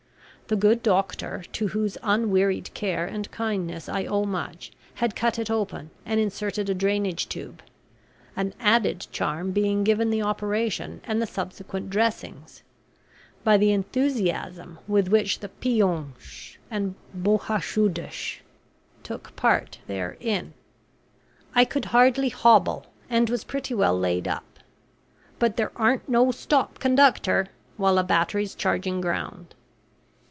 The good doctor, to whose unwearied care and kindness I owe much, had cut it open and inserted a drainage tube; an added charm being given the operation, and the subsequent dressings, by the enthusiasm with which the piums and boroshudas took part therein. I could hardly hobble, and was pretty well laid up. But "there aren't no 'stop, conductor,' while a battery's changing ground."